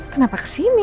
kenapa ke sini